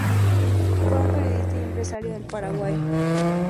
Fue un Periodista y Empresario del Paraguay.